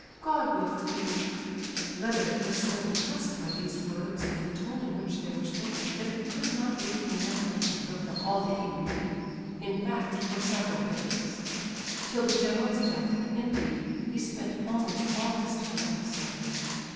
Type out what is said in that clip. God will forgive you!" Lebedeff was so impressed by these words, and the tone in which they were spoken, that he could not leave Nina Alexandrovna all the evening—in fact, for several days. Till the general's death, indeed, he spent almost all his time at his side.